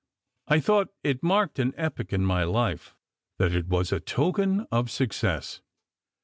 I thought it marked an epoch in my life; that it was a token of success.